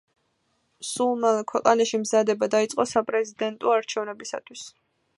სულ მალე ქვეყანაში მზადება დაიწყო საპრეზიდენტო არჩევნებისათვის.